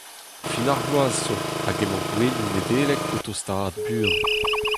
Fin ar bloaz zo hag emañ gouelioù Nedeleg o tostaat buan.